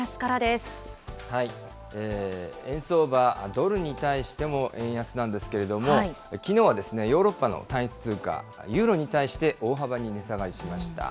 円相場、ドルに対しても円安なんですけれども、きのうはヨーロッパの単一通貨ユーロに対して大幅に値下がりしました。